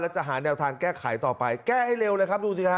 จะหาแนวทางแก้ไขต่อไปแก้ให้เร็วเลยครับดูสิฮะ